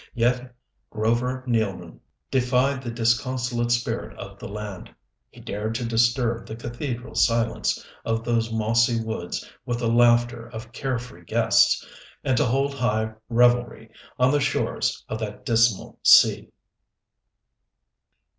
Yet Grover Nealman defied the disconsolate spirit of the land. He dared to disturb the cathedral silence of those mossy woods with the laughter of carefree guests, and to hold high revelry on the shores of that dismal sea.